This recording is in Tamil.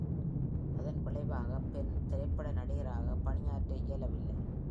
அதன் விளைவாக Penn திரைப்பட நடிகராக பணியாற்ற இயலவில்லை.